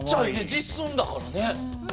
実寸だからね。